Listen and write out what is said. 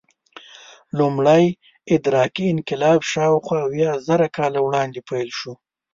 لومړی ادراکي انقلاب شاوخوا اویازره کاله وړاندې پیل شو.